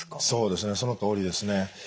そうですねそのとおりですね。